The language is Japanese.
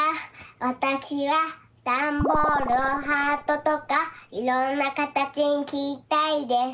わたしはダンボールをハートとかいろんなカタチにきりたいです。